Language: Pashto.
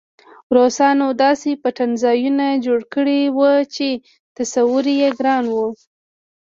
روسانو داسې پټنځایونه جوړ کړي وو چې تصور یې ګران و